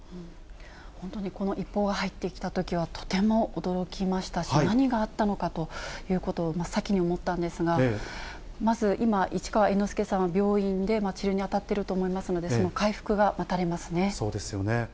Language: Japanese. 本当にこの一報が入ってきたときは、とても驚きましたし、何があったのかということを、真っ先に思ったんですが、まず今、市川猿之助さんは病院で治療に当たっていると思いますので、そうですよね。